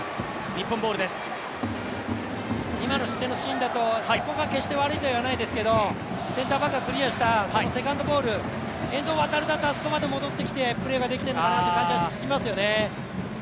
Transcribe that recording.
今の失点のシーンだと、瀬古が決して悪いとは言わないですけど、センターバックがクリアしたセカンドボール、遠藤航ならあそこまで戻ってきてプレーできるのかなと思いますよね。